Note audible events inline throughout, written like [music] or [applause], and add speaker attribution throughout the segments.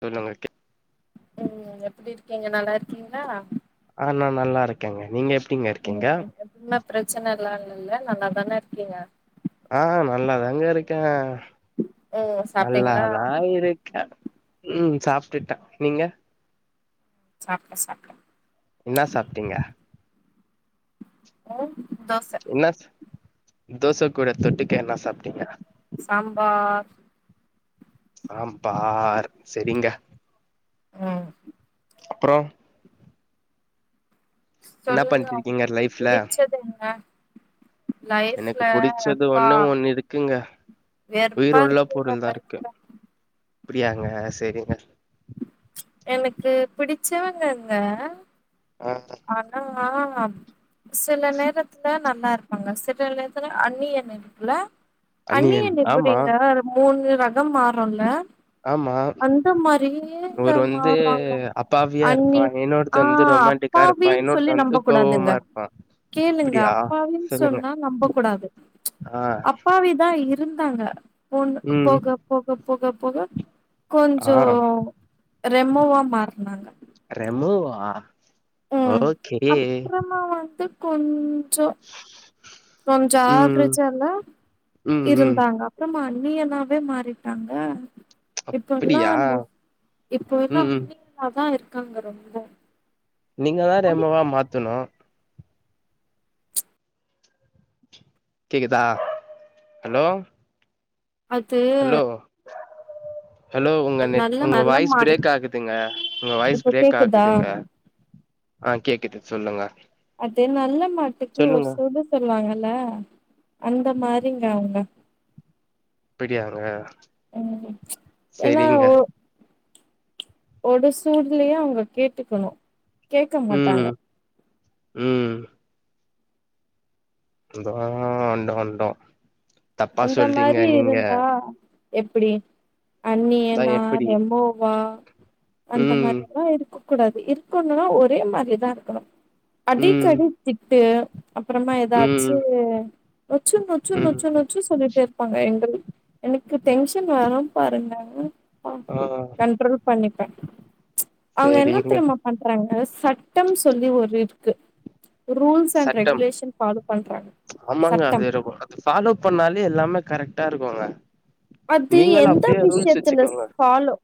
Speaker 1: சரி நா வைக்கே
Speaker 2: உம் எப்டி இருக்கீங்க நல்லா இருக்கீங்களா
Speaker 1: ஆ நா நல்லா இருக்கேங்க நீங்க எப்டிங்க இருக்கீங்க
Speaker 2: எப்பவுமே பிரச்சனை இல்லாமல்ல இல்ல நா நல்லா தா இருக்கேங்க
Speaker 1: ஆ நல்லாதாங்க இருக்கே
Speaker 2: ம் சாப்ட்டீங்களா
Speaker 1: நல்லாதா இரு க்க உம் சாப்ட்டுட்டே நீங்க
Speaker 2: சாப்ட சாப்ட
Speaker 1: என்னா சாப்டிங்க
Speaker 2: உம் தோச
Speaker 1: என்ன தோச கூட தொட்டுக்கு என்ன சாப்ட்டீங்க
Speaker 2: சாம்பார்
Speaker 1: சாம்பார் செரிங்க
Speaker 2: உம்
Speaker 1: அப்புறோ என்ன
Speaker 2: சொல்லுங்க
Speaker 1: பண்ட்ருக்கீங்க
Speaker 2: உங்களுக்கு
Speaker 1: லைஃப்ல
Speaker 2: புடிச்சது என்ன
Speaker 1: எனக்கு
Speaker 2: லைஃப்ல
Speaker 1: புடிச்சது
Speaker 2: அப்பா
Speaker 1: ஒண்ணே ஒண்ணு இருக்குங்க
Speaker 2: வெறுப்பா
Speaker 1: உயர் உள்ள
Speaker 2: இருக்குங்க
Speaker 1: பொருள் தா இருக்கு
Speaker 2: லைஃப்ல
Speaker 1: அப்டியாங்க செரிங்க
Speaker 2: எனக்கு புடிச்சவங்கங்க
Speaker 1: ஆ
Speaker 2: ஆனா நா அப் சில நேரத்துல நல்லா இருப்பாங்க சில நேரத்துல அன்னி எண்ண இருக்குல அண்ணி
Speaker 1: அன்னியன்
Speaker 2: அண்ணி
Speaker 1: ஆமா
Speaker 2: எப்டிங்க மூணு ரகம் மாறுல்ல
Speaker 1: ஆமா
Speaker 2: அந்த மாதிரியேங்க
Speaker 1: ஒரு வந்து
Speaker 2: மாறுவாங்க
Speaker 1: அப்பாவியா இருப்பா
Speaker 2: அண்ணி
Speaker 1: இன்னொருத்த
Speaker 2: ஆ
Speaker 1: வந்து ரொமான்டிக்கா இருப்பா
Speaker 2: அப்பாவின்னு
Speaker 1: இன்னொருத்த
Speaker 2: சொல்லி நம்ப
Speaker 1: வந்து
Speaker 2: கூடாதுங்க
Speaker 1: கோவமா இருப்பா
Speaker 2: கேளுங்க
Speaker 1: அப்டியா
Speaker 2: அப்பாவின்னு
Speaker 1: சொல்லுங்க
Speaker 2: சொன்னா நம்ப கூடாது
Speaker 1: ஆ
Speaker 2: அப் அப்பாவிதா இருந்தாங்க பொண்ண
Speaker 1: ம்
Speaker 2: போக போக போக போக
Speaker 1: ஆ
Speaker 2: கொஞ்சோ ரெமோவா மாறுனாங்க
Speaker 1: ரெமோவா
Speaker 2: ம்
Speaker 1: ஓகே
Speaker 2: அப்புறமா வந்து கொஞ் சோ கொஞ்சம்
Speaker 1: ம்
Speaker 2: ஆவரேஜாதா
Speaker 1: ம் ம்
Speaker 2: இருந்தாங்க சுத்தமா அண்ணியணாவே மாறிட்டாங்க இப்ப
Speaker 1: அப்டியா
Speaker 2: எல்லாம் மோஸ் இப்ப
Speaker 1: ம்
Speaker 2: எல்லாம்
Speaker 1: ம்
Speaker 2: கண்ணிங்காதான் இருக்காங்க ரொம்போ
Speaker 1: நீங்க தா ரெமோவா மாத்தணு கேக்குதா ஹலோ
Speaker 2: அது
Speaker 1: ஹலோ ஹலோ உங்க நெட்
Speaker 2: நல்ல
Speaker 1: உங்க
Speaker 2: நல்ல
Speaker 1: வாய்ஸ்
Speaker 2: மாடு
Speaker 1: பிரேக் ஆகுதுங்க உங்க வாய்ஸ்
Speaker 2: இப்போ
Speaker 1: பிரேக்
Speaker 2: கேக்குதா
Speaker 1: ஆகுதுங்க ஆ கேக்குது சொல்லுங்க
Speaker 2: அது நல்ல மாட்டுக்கு ஒரு
Speaker 1: சொல்லுங்க
Speaker 2: சூடூணு சொல்லுவாங்கல அந்த மாரிங்க அவங்க
Speaker 1: ப்பிடியாங்க
Speaker 2: ம் ச்சு ஏன்னா ஓ ஒரு சூட்லையே அவங்க கேட்டுக்கணும் கேட்க மாட்டாங்க
Speaker 1: ம் ம் இந்த வாரோ அங்க வந்தோ
Speaker 2: அந்த மாரி இருந்தா எப்டி
Speaker 1: அதா
Speaker 2: அன்னியனா
Speaker 1: எப்டி
Speaker 2: ரெமோவா அந்த
Speaker 1: ம்
Speaker 2: மாரிலா இருக்கு இருக்க கூடாது இருக்கனுனா ஒரே மாதிரிதா இருக்கணு
Speaker 1: ம்
Speaker 2: அடிக்கடி திட்டு அப்பறமா
Speaker 1: ம்
Speaker 2: ஏதாச்சு நொச்சு நொச்சு
Speaker 1: ம்
Speaker 2: நொச்சு நொச் [unintelligible] சொல்லிட்டு இருப்பாங்க எங்கள எனக்கு டென்ஷன் வரும் பாருங்க
Speaker 1: ஆமாங்க
Speaker 2: உம் ட்ரூ பண்ணிப்பே அவுங்க என்ன
Speaker 1: சேரிங்க
Speaker 2: தெரியுமா பன்றாங்க சட்டம் சொல்லி ஒரு இருக்கு ரூல்ஸ் அண்ட்
Speaker 1: சட்டம்
Speaker 2: ரெகுலேஷன் ஃபாலோ பண்றாங்க
Speaker 1: ஆமாங்க
Speaker 2: சட்டம்
Speaker 1: அது ரொம்ப ஃபாலோ பண்ணாலே எல்லாமே கரெக்ட்டா இருக்குங்க
Speaker 2: அது
Speaker 1: நீங்களு
Speaker 2: எந்த
Speaker 1: அப்டியே ரூல்ஸ்
Speaker 2: விஷயத்துல
Speaker 1: வச்சுக்கோங்க
Speaker 2: ஃபாலோ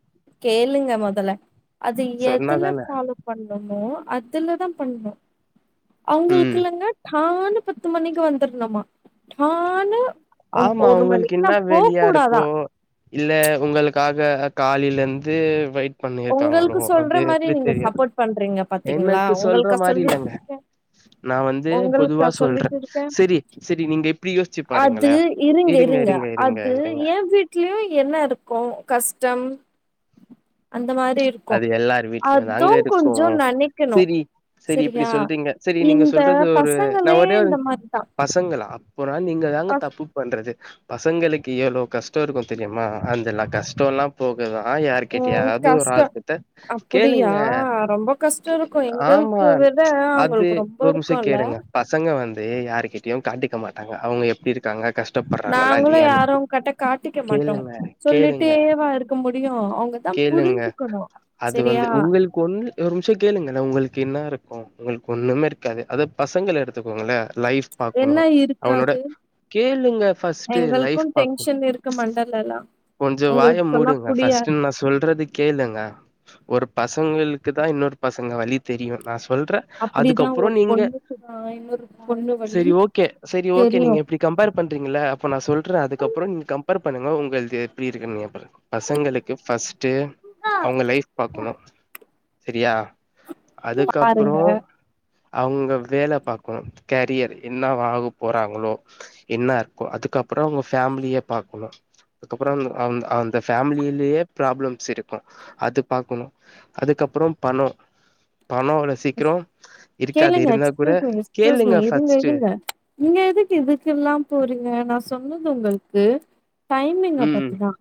Speaker 2: கேளுங்க முதல்ல அது எதுல
Speaker 1: சொன்னாதான
Speaker 2: ஃபாலோ பண்ணமோ அதுல தான் பண்ணணும் அவங்களுக்கு
Speaker 1: ம்
Speaker 2: இல்லங்க டானு பத்து மணிக்கு வந்துடனமா
Speaker 1: ஆமா அவங்களுக்கு எண்ணா வேலையா
Speaker 2: கூடாதா
Speaker 1: இருக்கோ இல்ல உங்களுக்காக காலைல இருந்து வெய்ட் பண்ணிருக்காங்களோ
Speaker 2: உங்களுக்கு சொல்ற
Speaker 1: அது
Speaker 2: மாரி
Speaker 1: எப்டி
Speaker 2: நீங்க
Speaker 1: தெரியு
Speaker 2: சப்போர்ட் பண்றீங்க பாத்தீங்களா
Speaker 1: எனக்கு சொல்ற
Speaker 2: உங்களுக்கா
Speaker 1: மாரி
Speaker 2: சொல்லி
Speaker 1: இல்லங்க
Speaker 2: இருக்கேன்,
Speaker 1: நா வந்து
Speaker 2: உங்களுக்கா
Speaker 1: பொதுவா சொல்றே
Speaker 2: சொல்லிட்டு இருக்கே
Speaker 1: செரி செரி நீங்க இப்டி யோசிச்சு
Speaker 2: அது
Speaker 1: பாருங்களே
Speaker 2: இருங்க இருங்க அது ஏன் உங்க வீட்லையு என்ன இருக்கு கஷ்டம் அந்த மாரி இருக்கு
Speaker 1: அது எல்லாரு வீட்லையு தாங்க
Speaker 2: அது
Speaker 1: இருக்கு
Speaker 2: கொஞ்சோ நெனைக்கணு
Speaker 1: சேரி செரி இப்டி
Speaker 2: சரியா
Speaker 1: சொல்றீங்க செரி நீங்க
Speaker 2: இந்த
Speaker 1: சொல்றது ஒரு நா
Speaker 2: பசங்களே
Speaker 1: ஒரே ஒரு
Speaker 2: இந்த மாரிதா
Speaker 1: பசங்களா போரா நீங்க தாங்க
Speaker 2: பஸ்
Speaker 1: தப்பு பண்றது பசங்களுக்கு எவ்ளோ கஷ்டோ இருக்கு தெரியுமா அந்தெல்லா கஷ்டயெல்லா போகலா யாரு
Speaker 2: ம்
Speaker 1: கிட்டயாவது ஒரு
Speaker 2: கஷ்டோ
Speaker 1: ஆள் தா
Speaker 2: அப்புடியா
Speaker 1: கேளுங்க
Speaker 2: ரொம்ப கஷ்டோ
Speaker 1: கே
Speaker 2: இருக்கு
Speaker 1: ஆமா
Speaker 2: எங்களுக்கு விட
Speaker 1: ச்சு அது
Speaker 2: அவங்களுக்கு ரொம்ப
Speaker 1: ஒரு நிமிசோ
Speaker 2: இருக்குல்ல
Speaker 1: கேளுங்க பசங்க வந்து யாருக்கிட்டயும் காட்டிக்க மாட்டாங்க அவுங்க எப்டி இருக்
Speaker 2: நாங்களும் யாரும் கிட்ட காட்டிக்க மாட்டோம்
Speaker 1: கேளுங்க கேளுங்க
Speaker 2: சொல்லிட்டேவா இருக்க முடியும் அவங்க தான்
Speaker 1: கேளுங்க
Speaker 2: புரிஞ்சுக்கணும்
Speaker 1: அது வந்து உங்களுக்கு கொன்று ஒரு நிமிஷம் கேளுங்க உங்களுக்கு என்ன இருக்கும் உங்களுக்கு ஒன்றுமே இருக்காது அதது பசங்களை எடுத்துக்கோங்களே லைஃப்
Speaker 2: என்ன
Speaker 1: பார்க்கணும் அவனோட
Speaker 2: இருக்காது
Speaker 1: கேளுங்க ஃர்ஸ்ட்
Speaker 2: எங்களுக்கு
Speaker 1: லைஃப் பார்க
Speaker 2: டென்ஷன் இருக்கு மண்டலல்லா
Speaker 1: கொஞ்சம் வாய
Speaker 2: உங்களுக்கு சொன்னா
Speaker 1: மூடுங்க ஃபஸ்ட்டு
Speaker 2: புரியாது
Speaker 1: சொல்றது கேளுங்க ஒரு பசங்களுக்கு தான் இன்னொரு பசங்க வலி தெரியும் நான் சொல்றேன்
Speaker 2: அப்டிதா
Speaker 1: அதுக்கப்புறம்
Speaker 2: ஒரு
Speaker 1: நீங்க
Speaker 2: பொண்ணுக்குதா இன்னொரு பொண்ணு வலி
Speaker 1: சரி ஓகே சரி ஓகே
Speaker 2: தெரியு
Speaker 1: நீங்க எப்படி கம்பேர் பண்ணுறீங்கள அப்போ நான் சொல்றேன் அதுக்கப்புறம் நீங்கள் கம்பேர் பண்ணு உளுக்கு எப்படி இருக்குன்னுனுறேன் பசங்களுக்கு பர்ஸ்ட் அவங்க லைஃப் பாக்கணும் சரியா
Speaker 2: பாருங்க
Speaker 1: அதுக்கப்றம் அவங்க வேலை பார்க்கணும் கரியர் என்ன ஆக போறாங்களோ என்ன இருக்கும் அதுக்கப்றம் அவங்க ஃபேமிலியே பாக்கணும் அதுக்கப்றம் அந்த அந்த ஃபேமிலியிலயே ப்ராப்ளம்ஸ் இருக்கும் அது பாக்கணும் அதுக்கப்புறம் பணம் பணம் சீக்கிரம் இருக்காது
Speaker 2: கேளுங்க
Speaker 1: இருந்தா கூட
Speaker 2: எக்ஸயூஸ் எக்ஸயூஸ்
Speaker 1: கேளுங்க
Speaker 2: இருங்க
Speaker 1: ஃபர்ஸ்ட்டு
Speaker 2: இருதுங்க நீங்க எதுக்கு இதுக்குல்லாம் போறீங்க நான் சொன்னது உங்களுக்கு டைமிங்க
Speaker 1: ம்
Speaker 2: பத்திதான்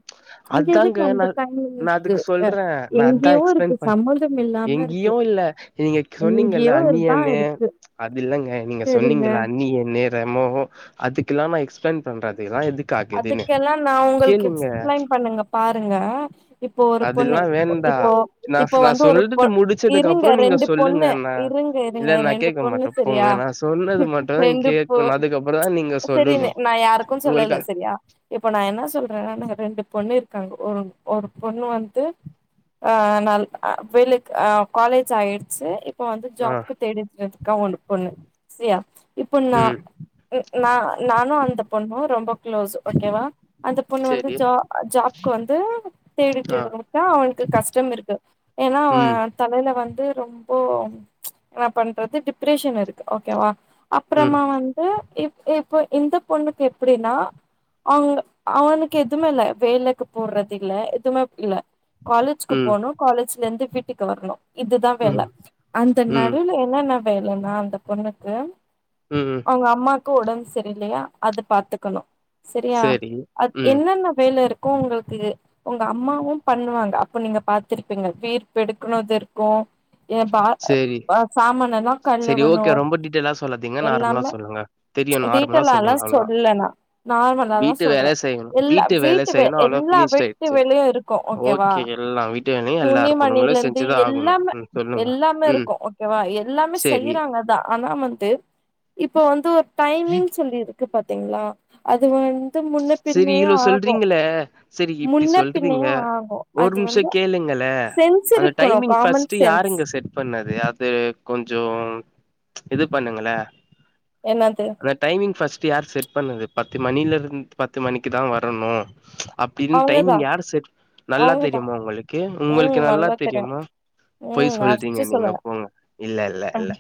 Speaker 2: இங்க
Speaker 1: அதாங்க
Speaker 2: எதுக்கு
Speaker 1: நா
Speaker 2: அந்த டைம்
Speaker 1: நா அதுக்கு
Speaker 2: இருக்குஹ
Speaker 1: சொல்றேன் நா அதான்
Speaker 2: எங்கேயோ இருக்கு
Speaker 1: எக்ஸ்பிளைன் பண்
Speaker 2: சம்பதம் இல்லாம இருக்கு
Speaker 1: எங்கேயும் இல்ல நீங்க சொன்னீங்கல்ல
Speaker 2: எங்கேயோ
Speaker 1: அன்னி
Speaker 2: இதா
Speaker 1: எண்ணு
Speaker 2: இருக்கு
Speaker 1: அது இல்லங்க நீங்க
Speaker 2: சரிங்க
Speaker 1: சொன்னீங்க அன்னி எண்ணு ரெமோ அதுக்கெல்லாம் நான் எக்ஸ்பிளைன் பண்றது எல்லாம் எதுக்கு ஆக்குதுன்னு
Speaker 2: நான் உங்களுக்கு எக்ஸ்பிளைன் பண்ணுங்க பாருங்க இப்போ ஒரு பொண்ணு
Speaker 1: அதெல்லா வேண்டா
Speaker 2: இப்போ
Speaker 1: நா
Speaker 2: இப்ப
Speaker 1: நா
Speaker 2: வந்து ஒரு பொ
Speaker 1: சொல்லிட்டு முடிச்சதுக்கு
Speaker 2: இருங்க
Speaker 1: அப்புறோ நீங்க
Speaker 2: ரெண்டு பொண்ணு
Speaker 1: சொல்லுங்கண்ணா
Speaker 2: இருங்க
Speaker 1: இல்ல
Speaker 2: இருங்க
Speaker 1: நா
Speaker 2: ரெண்டு
Speaker 1: கேட்க
Speaker 2: பொண்ணு
Speaker 1: மாட்டே
Speaker 2: சரியா
Speaker 1: போங்க நா சொன்னது மட்டுதா
Speaker 2: ரெண்டு
Speaker 1: கேட்கணு அதுக்கப்புறோ தா நீங்க
Speaker 2: சரி
Speaker 1: சொல்லணு
Speaker 2: நான் யாருக்கும் சொல்லல
Speaker 1: உங்களுக்கா
Speaker 2: சரியா இப்ப நான் என்ன சொல்றேன்ன ரெண்டு பொண்ணு இருக்காங்க ஒரு ஒரு பொண்ணு வந்து ஆ ந வெுக்கு காலேஜ் ஆயிடுச்சு இப்ப வந்து
Speaker 1: ஆ
Speaker 2: ஜாப்கு தேடிதுக்க ஒண்ணு பொண்ணு சரியா இப்ப நான்
Speaker 1: ம்
Speaker 2: ந நானும் அந்த பொண்ணும் ரொம்ப க்ளோஸ் ஓகேவா அந்த பொண்ணு வந்து
Speaker 1: செரி
Speaker 2: ஜ ஜாப்கு வந்து தேடிட்டு
Speaker 1: ஆ
Speaker 2: இருா அவனுக்கு கஷ்டம் இருக்கு ஏனா
Speaker 1: ம்
Speaker 2: தலையில வந்து ரொம்போ என்ன பண்றது டிப்ரெஷன் இருக்கு ஓகேவா
Speaker 1: ம்
Speaker 2: அப்புறமா வந்து இப் இப்போ இந்த பொண்ணுக்கு எப்டின்னா அவங்க அவனுக்கு எதுவுமே இல்ல வேலைக்கு போறது இல்ல எதுமே இல்ல காலேஜ்கு
Speaker 1: ம்
Speaker 2: போணு காலேஜ்ல இருந்து வீட்டுக்கு வரணு இதுதா வேல
Speaker 1: ம்
Speaker 2: அந்த
Speaker 1: ம்
Speaker 2: நடுல என்னன்ன வேலனா அந்த பொண்ணுக்கு
Speaker 1: ம்
Speaker 2: அவங்க அம்மாவுக்கு உடம்பு சரியில் இல்லையா அதது பாார்த்துக்கணும் சரியா
Speaker 1: செரி
Speaker 2: அது
Speaker 1: ம்
Speaker 2: என்னென்ன வேலை இருக்கும் உங்களுக்கு உங்க அம்மாவும் பண்ணுவாங்க அப்ப நீங்க பாத்துிருப்பீங்க வீ்ப்ப எடுக்கணது இருக்கும் பா
Speaker 1: செரி
Speaker 2: சாமனைல்லாம்
Speaker 1: செரி ஓகே
Speaker 2: கழுவணும்
Speaker 1: ரொம்ப டீட்டெயலா சொல்லாதீங்க நார்மலா
Speaker 2: எல்லாமே
Speaker 1: சொல்லுங்க தெரியு நார்மலா
Speaker 2: டீடைலால்லா
Speaker 1: சொல்லுங்க அவ்ளோதா
Speaker 2: சொல்லனா நார்மலா தா
Speaker 1: வீட்டு
Speaker 2: சொல்ற
Speaker 1: வேல செய்யணு
Speaker 2: எல்லா
Speaker 1: வேல
Speaker 2: வீட்டு வே
Speaker 1: செய்யணு அவ்ளோ
Speaker 2: எல்லா
Speaker 1: ஃபினிஷ்ட்
Speaker 2: வீட்டு
Speaker 1: ஆயிடுச்சு
Speaker 2: வேயு இருக் இருக்கு ஓகேவா
Speaker 1: ஓகே எல்லா வீட்டு வேலையு எல்லா
Speaker 2: துணி
Speaker 1: பொண்ணுங்களு
Speaker 2: மணில இருந்து
Speaker 1: செஞ்சுதா ஆகணு
Speaker 2: எல்லாமே
Speaker 1: ம் சொல்லுங்க
Speaker 2: எல்லாம் மே
Speaker 1: ம்
Speaker 2: இருக்கு ஓகேவா எல்லாமே
Speaker 1: செரி
Speaker 2: செய்யறாங்க தா ஆனா வந்து இப்ப வந்து ஒரு டைமிங் சொல்லிருக்கு பாத்திங்களா அது வந்
Speaker 1: சேரி இவ்ளோ சொல்றீங்களே செரி இப்டி
Speaker 2: முன்ன
Speaker 1: சொல்றிங்க
Speaker 2: பின்னயு ஆகு
Speaker 1: ஒரு
Speaker 2: அது
Speaker 1: நிமிஷோ
Speaker 2: வந்து
Speaker 1: கேளுங்களே
Speaker 2: சென்ஸ்
Speaker 1: அந்த
Speaker 2: இருக்கணு
Speaker 1: டைமிங்
Speaker 2: காமன்
Speaker 1: ஃபர்ஸ்ட்
Speaker 2: சென்ஸ்
Speaker 1: யாருங்க செட் பண்ணது அது கொஞ்சோ இது பண்ணுங்களே
Speaker 2: என்னாது
Speaker 1: வ டைமிங் ஃபர்ஸ்ட் யார் செட் பண்ணது பத்து மணிலருந் பத்து மணிக்கு தா வரணு அப் பின்
Speaker 2: அவங்கதா
Speaker 1: டைமிங் யாரு செட் நல்லா
Speaker 2: அவங்கதா
Speaker 1: தெரியுமா உங்களுக்கு
Speaker 2: ம்
Speaker 1: உங்களுக்கு நல்லா
Speaker 2: தெரியு
Speaker 1: தெரியுமா பொய்
Speaker 2: ம்
Speaker 1: சொல்றீங்க
Speaker 2: அடிச்சு
Speaker 1: நீங்க
Speaker 2: சொல்லுவ
Speaker 1: போங்கோ இல்ல இல்ல இல்ல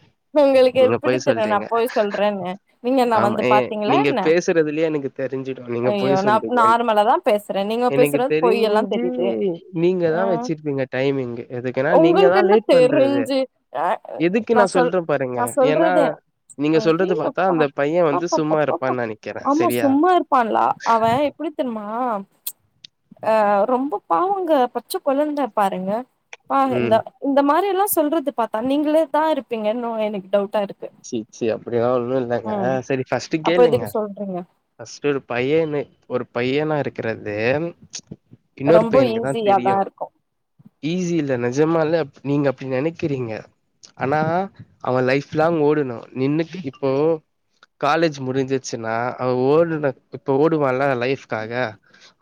Speaker 2: உங்களுக்கு
Speaker 1: நீங்க
Speaker 2: எப்டி
Speaker 1: பொய்
Speaker 2: தெரியு நா
Speaker 1: சொல்றீங்க
Speaker 2: போய் சொல்றேன்னு நீங்க என்ன
Speaker 1: ஆமா
Speaker 2: வந்து
Speaker 1: ஏ
Speaker 2: பாத்தீங்களா
Speaker 1: நீங்க
Speaker 2: என்ன
Speaker 1: பேசுறதுலயே எனக்கு தெரிஞ்சிடு நீங்க
Speaker 2: ஐயோ
Speaker 1: பொய்
Speaker 2: நா
Speaker 1: சொல்றீங்கன்னு
Speaker 2: நார்மலா தா பேசுறே நீங்க
Speaker 1: எனக்கு
Speaker 2: பேசுறது பொய் எல்லா
Speaker 1: தெரிஞ்சி
Speaker 2: தெரியுது
Speaker 1: நீங்க
Speaker 2: ஆ
Speaker 1: தா வெச்சிருப்பீங்க டைமிங் எதுக்குன்னா நீங்கதா
Speaker 2: உங்களுக்கு என்ன
Speaker 1: லேட் ட் பண்றது
Speaker 2: தெரிஞ்சு ஆ
Speaker 1: எதுக்கு நா
Speaker 2: சொல்
Speaker 1: சொல்றே பாருங்க
Speaker 2: நா
Speaker 1: ஏனா
Speaker 2: சொல்றது
Speaker 1: நீங்க சொல்றது பாத்தா
Speaker 2: அய்யயப்பா
Speaker 1: அந்த பையே வந்து சும்மா இருப்பா நெனைக்கிறே செரியா
Speaker 2: பண்லா அவே எப்டி தெரிமா அ ரொம்ப பாவங்க பச்ச கொழந்த பாருங்க பா இந்த
Speaker 1: ம்.
Speaker 2: இந்த மாரில்லா சொல்றத பாத்தா நீங்களே தா இருப்பீங்கன்னு எனக்கு டவுட்டா இரு
Speaker 1: சி சி அப்டிலா ஒன்னு இல்லங்க செரி ஃபர்ஸ்ட்டு
Speaker 2: அப்ப
Speaker 1: கேளுங்க
Speaker 2: எதுக்கு சொல்றீங்க
Speaker 1: ஃபர்ஸ்ட்டு ஒரு பையனே ஒரு பையனா இருக்கறது இன்னொரு
Speaker 2: ரொம்ப
Speaker 1: பையனுக்குதா
Speaker 2: ஈஸியாதா
Speaker 1: தெரியு
Speaker 2: இருக்கு
Speaker 1: ஈஸி இல்ல நெஜமாலே நீங்க அப்டி நெனைக்கிறீங்க ஆனா அவே லைஃப் லாங் ஓடுனு நின்னுக்கு இப்போ காலேஜ் முடிஞ்சிச்சுன்னா அவே ஓடுனோ இப்ப ஓடுவால்ல லைஃப்காக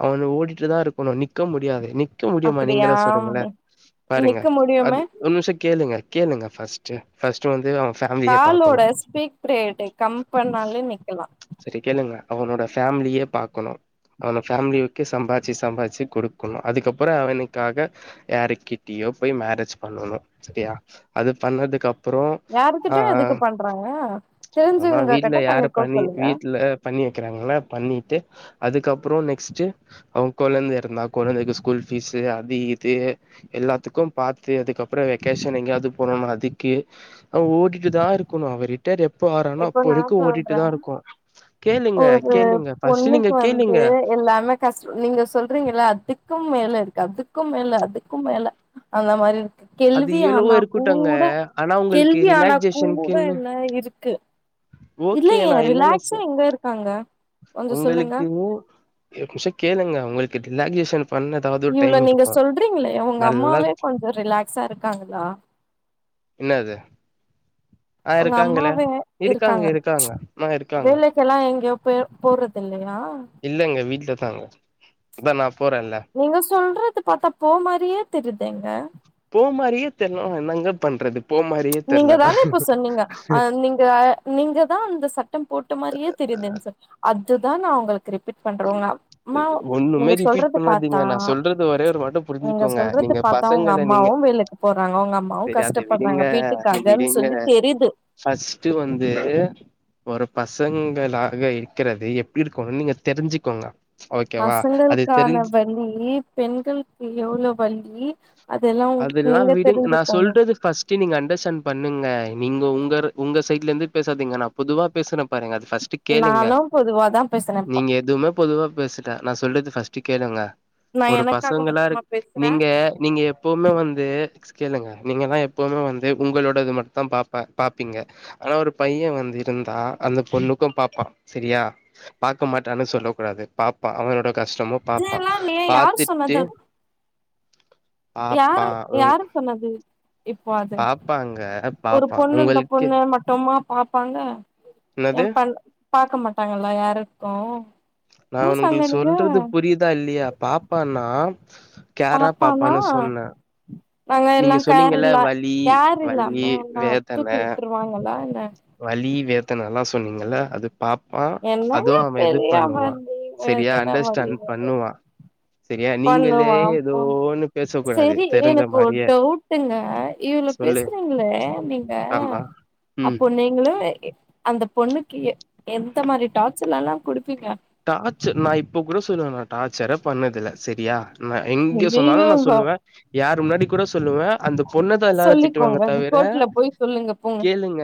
Speaker 1: அவே வந்து ஓடிட்டு தா இருக்கணு நிக்க முடியாது நிக் க்க முடியுமா
Speaker 2: அப்டியா
Speaker 1: நீங்களே சொல்லுங்களே பாருங்க
Speaker 2: நிக்க
Speaker 1: அது
Speaker 2: முடியுமே
Speaker 1: ஒரு நிமிஷோ கேளுங்க கேளுங்க ஃபஸ்ட்டு ஃபஸ்டு வந்து அவே
Speaker 2: காலோட ஸ்பீக் பிரேட்டு கம்பண்னாலயே நிக்கலா
Speaker 1: செரி கேளுங்க அவனோட ஃபேமிலிய பாக்கணு அவன ஃபேமிலிவுக்கு சம்பாதிச்சு சம்பாச்சு குடுக்கணு அதுக்கப்புறோ அவனுக்காக யாருக்கிட்டயோ போய் மேரேஜ் பண்ணணு செரியா அது பண்ணதுக்கு அப்றோ ஆ
Speaker 2: யாருகிட்ட
Speaker 1: ஆ
Speaker 2: எதுக்கு பண்றாங்க
Speaker 1: அதா
Speaker 2: தெரிஞ்சவங்க
Speaker 1: வீட்ல
Speaker 2: கிட்ட
Speaker 1: யார
Speaker 2: பண்ணிக்கோ
Speaker 1: பண்ணி
Speaker 2: சொல்லுங்க
Speaker 1: வீட்ல பண்ணி வெக்கிறாங்களா பண்ணிட்டு அதுக்கப்புறோ நெக்ஸ்ட்டு அவே கொழந்த இருந்தா அவே கொழந்தைக்கு ஸ்கூல் ஃபீஸு அது இது எல்லாத்துக்கு பாத்து அதுக்கப்புறோ வெக்கேஷன் எங்கேயாது போனம்னா அதுக்கு அவே ஓடி ட்டு தா இருக்கணு அவே ரிட்டேர் எப்ப ஆரானோ
Speaker 2: இப்போ
Speaker 1: அப்போ
Speaker 2: நா
Speaker 1: வரைக்கு ஓடிட்டு
Speaker 2: சொல்றே
Speaker 1: தா இருக்கு கேளுங்க
Speaker 2: ஒரு
Speaker 1: கேளுங்க ஃபர்ஸ்ட் நீங்க
Speaker 2: பொண்ணுக்கு வந்து
Speaker 1: கேளுங்க
Speaker 2: எல்லாமே கஷ் நீங்க சொல்றீங்கள அதுக்கும் மேல இருக்கு அதுக்கும் மேல அதுக்கும் மேல அந்த மாரி இரு க்கு
Speaker 1: அது
Speaker 2: கெழ்வி
Speaker 1: எவ்ளவோ
Speaker 2: ஆனா
Speaker 1: இருக்கட்டுங்க
Speaker 2: கூட
Speaker 1: ஆனா உங்களுக்கு
Speaker 2: கெழ்வி ஆனா கூட
Speaker 1: ரிலாக்சேஷனுக்குன்னு
Speaker 2: என்ன இருக்கு
Speaker 1: ஓகே
Speaker 2: இல்லயே
Speaker 1: நா இல்லன்னு சொ
Speaker 2: ரிலாக்ஸா எங்க இருக்காங்க கொஞ்சோ சொல்லுங்க
Speaker 1: ஏக் நிம்ஷோ கேளுங்க அவுங்களுக்கு ரிலாகேஷன் பண்ண ஏதாவது ஒரு
Speaker 2: இவ்ளோ
Speaker 1: டைம்
Speaker 2: நீங்க
Speaker 1: இருக்கு
Speaker 2: சொல்றீங்களே உங்க
Speaker 1: நல்லா
Speaker 2: அம்மாவே கொஞ்சோ ரிலாக்ஸா இருக்காங்களா
Speaker 1: என்னாது ஆ
Speaker 2: உங்க
Speaker 1: இருக்காங்கள
Speaker 2: அம்மாவே
Speaker 1: இருக்காங்க இருக்காங்க மா இருக்காங்க
Speaker 2: க்கல்லா எங்க போ போறதில்லயா
Speaker 1: இல்லங்க வீட்ல தாங்க இதா நான் போறேல்ல
Speaker 2: நீங்க சொல்றது பாத்தா போ மாரியே தெரியுதேங்க
Speaker 1: போ மாரியே தெருணா என்னங்க பண்றது போ மாதிரி
Speaker 2: நீங்க தான இப்போ சொன்னீங்க ஆ னுங்க நீங்க தா அந்த சட்டம் போட்ட மாரியே தெரிதுங்க சார் அதுதான் நா உங்களுக்கு ரிபிட் பண்றோங்க மா
Speaker 1: ஒண்ணுமே
Speaker 2: நீங்க
Speaker 1: ரிப்பீட்
Speaker 2: சொல்றத பாத்தா
Speaker 1: பண்ணாதீங்க நா சொல்றது ஒரே ஒரு வாட்ட
Speaker 2: நீங்க
Speaker 1: புரிஞ்சுக்கோங்க
Speaker 2: சொல்றத
Speaker 1: நீங்க
Speaker 2: பாத்தா உங்க
Speaker 1: பசங்கள நீங்க
Speaker 2: அம்மாவும் வேலைக்கு போறாங்க உங்க அம்மாவும்
Speaker 1: செரி அது விடுங்க
Speaker 2: கஷ்டபடுறாங்க வீட்டுக்க
Speaker 1: விடுங்க ஃபஸ்ட்டு வந்து ஒரு பசங்களா தான் இருக்கிறது எப்படி கொழந்த தெரிஞ்சுகோங்க
Speaker 2: பசங்களுகான வலி பெண்கள் கு எவ்வளவு வலி அதெல்லா
Speaker 1: அதெல்லாம்
Speaker 2: நீங்க
Speaker 1: விடுங் நான்
Speaker 2: தெரிஞ்சுக்கோங்க
Speaker 1: சொல்றது ஃபஸ் துங்க அண்டர்ஸ்டாண்ட் பண்ணுங்க நீங்க உங்க உங்க சைட்ல இருந்து பேசாதீங்க நா பொதுவா பேசுன பாருங்க அதை ஃபஸ்ட் கேளுங்க
Speaker 2: நாலா பொதுவாதா பேசுறேன்ப்பா
Speaker 1: நீங்க இதுமே பொதுவா பேசிட்ட நான் சொல்றது ஃபஸ்ட் கேளுங்க
Speaker 2: நா
Speaker 1: ஒரு
Speaker 2: எனக்காக
Speaker 1: பசங்கனா
Speaker 2: மட்டுமா
Speaker 1: இருக்
Speaker 2: பேசுறே
Speaker 1: நீங்க நீங்க எப் எப்பவுமே வந்து ஃபஸ்டு கேளுங்க நீங்கல்லா எப்பவுமே வந்து உங்களோடது மட்டும் தா பாப்ப பாப்பீங்க ஆனா ஒரு பையன் வந்து இருந்தா அந்த பொண்ணுக்கு பாப்பா சரியா பாக்க மாட்டானு சொல்ல கூடாது பாப்பான் அவனோட கஷ்டமும் பாப்பான்
Speaker 2: இதெல்லா இல்லையே யாரு
Speaker 1: பாத்துட்டு
Speaker 2: சொன்னது
Speaker 1: பாப்பா
Speaker 2: யாரு
Speaker 1: உ
Speaker 2: யாரு சொன்னது? இப்ப அது
Speaker 1: பாப்பாங்க
Speaker 2: ஒரு
Speaker 1: பாப்பா
Speaker 2: பொண்ணு இந்த
Speaker 1: உங்களுக்கு
Speaker 2: பெண்ணாமா போமா பாப்பாங்க
Speaker 1: என்னது
Speaker 2: என் பண் பாக்க மாட்டாங்கல யாருக்கு
Speaker 1: நான்
Speaker 2: லூசாங்க
Speaker 1: உன்களுக்கு
Speaker 2: நீங்க
Speaker 1: சொல்றது புரிதா இல்லையா பாப்பானா கேரா
Speaker 2: பாப்பானா
Speaker 1: பாப்பானு சொன்னேன்
Speaker 2: நாங்க எல்லாம் கேர்லா
Speaker 1: வலி
Speaker 2: கேர் இல்லாம
Speaker 1: வலி
Speaker 2: எல்லா
Speaker 1: வேதன
Speaker 2: தூக்கி விட்ருவாங்களா என்ன
Speaker 1: வலி வேதனை எல்லா சொன்னீகல்ல அது பாப்பான்
Speaker 2: என்னங்க
Speaker 1: அதுவும் அவன் இது
Speaker 2: பெரிய
Speaker 1: பண்ணுவான்
Speaker 2: வலி
Speaker 1: சரியா
Speaker 2: வேதன வலி
Speaker 1: அண்டர்ஸ்டாண்ட் பண்ணுவா சரியா நீங்களே
Speaker 2: பண்ணுவா பொண்ணு
Speaker 1: ஏதோனு பேச கூடாது தெரிஞ்ச மாதிரியே
Speaker 2: ங்க இவ்ளோ பேசுறீங்களே நீங்க
Speaker 1: ஆமா ம்
Speaker 2: அப்ப நீங்களும் அந்த பொண்ணுக்கு எ எந்த மாரி டார்சர்லா குடுபீங்க
Speaker 1: டார்சர் நா இப்ப கூட சொல்லுவ நான் டார்சரே பண்ணதுல்ல சரியா நான் எங்க
Speaker 2: ஐயையோ
Speaker 1: சொன்னாலும் நான் சொல்லுவேன் யார் முன்னாடி கூட சொல்லுவே அந்த பொண்ண தான் எல்லாரு திட்டுவாங்க
Speaker 2: சொல்லிக்கோங்க
Speaker 1: தவர
Speaker 2: கோர்ட்ல போய் சொல்லுங்க போங்க
Speaker 1: கேளுங்க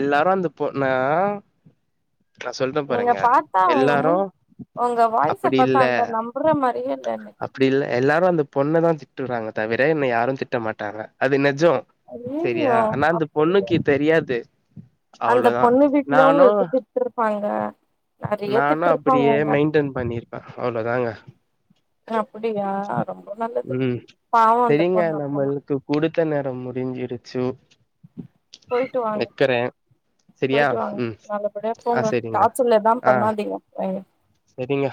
Speaker 1: எல்லாரும் அந்த போண்ணா நான் சொல்ற
Speaker 2: நீங்க
Speaker 1: பாருங்க
Speaker 2: பாத்தா உங்க
Speaker 1: எல்லா
Speaker 2: உங்க வாய்ஸை பாத்தா அந்த நம்பற மாரியே இல்ல எனக்கு
Speaker 1: அப்படில்லை எல்லாரும் அந்த பொண்ண தான் திட்டுறாங்க தவிர என்ன யாரும் திட்ட மாட்டாங்க அது நேஜம் சரியா
Speaker 2: ஐயையோ
Speaker 1: ஆனா அந்த
Speaker 2: அப்டி
Speaker 1: பொண்ணிக்கி தெரியாது
Speaker 2: அந்த
Speaker 1: அவ்ளோதா
Speaker 2: பொண்ணு வீட்டுல
Speaker 1: நானு
Speaker 2: உங்களுக்கு கூப்ருப்பாங்க
Speaker 1: நானும் அப்படியே மெயின்டன் பண்ணிருப்ப அவளோ தாங்க
Speaker 2: அப்படியா ரொம்ப நல்லது
Speaker 1: ம்
Speaker 2: பாவம் அந்த
Speaker 1: செரிங்க
Speaker 2: பொண்ணு அப்பனா
Speaker 1: நம்மளுக்கு குடுத்த நேரம் முடிஞ்சிடுச்சு
Speaker 2: போயிட்டு வாங்
Speaker 1: செரியா
Speaker 2: போயிடு வாங்
Speaker 1: ம்
Speaker 2: நல்லபடியா
Speaker 1: ஆ
Speaker 2: போங்க
Speaker 1: செரிங்க
Speaker 2: டார்சர்ல்லா பண்ணாதீங்க என்
Speaker 1: சரிங்க